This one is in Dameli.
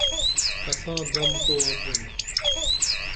کساں دم توہ پریم